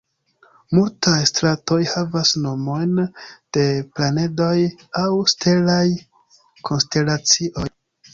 Multaj stratoj havas nomojn de planedoj aŭ stelaj konstelacioj.